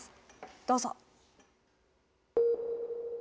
どうぞ。